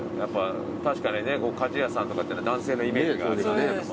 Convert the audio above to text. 確かにね鍛冶屋さんとかって男性のイメージがありますけどもね。